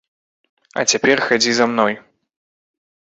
А цяпер хадзі за мной.